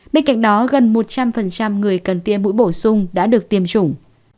bên cạnh đó gần một trăm linh người cần tiêm mũi bổ sung đã được tiêm chủng